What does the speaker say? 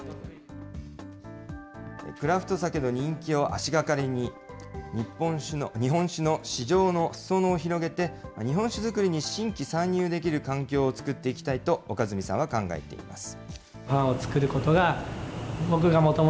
クラフトサケの人気を足がかりに、日本酒の市場のすそ野を広げて、日本酒造りに新規参入できる環境を作っていきたいと、岡住さんは考えています。